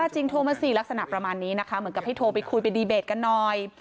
จริงโทรมาสิลักษณะประมาณนี้นะคะเหมือนกับให้โทรไปคุยไปดีเบตกันหน่อย